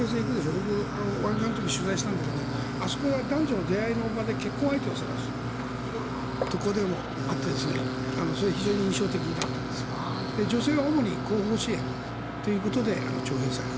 僕、湾岸の時に取材したんだけどあそこは男女の出会いの場で結婚相手を探すところでもあってそれは非常に印象的で女性は主に後方支援ということで徴兵される。